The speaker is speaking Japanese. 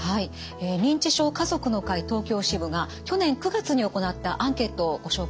認知症家族の会東京支部が去年９月に行ったアンケートをご紹介します。